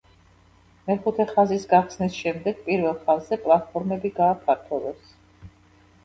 მეხუთე ხაზის გახსნის შემდეგ პირველ ხაზზე პლატფორმები გააფართოვეს.